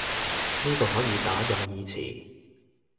呢個可以打任意詞